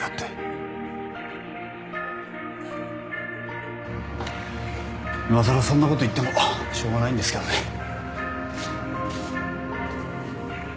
いまさらそんなこと言ってもしょうがないんですけどね。